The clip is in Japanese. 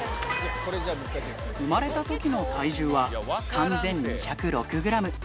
産まれたときの体重は３２０６グラム。